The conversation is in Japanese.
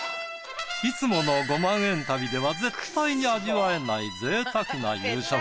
いつもの５万円旅では絶対味わえないぜいたくな夕食。